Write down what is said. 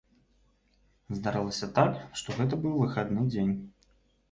Здарылася так, што гэта быў выхадны дзень.